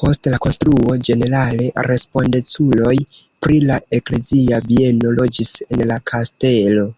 Post la konstruo ĝenerale respondeculoj pri la eklezia bieno loĝis en la kastelo.